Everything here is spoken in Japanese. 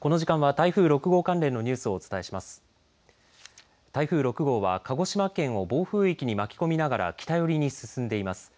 台風６号は鹿児島県を暴風域に巻き込みながら北寄りに進んでいます。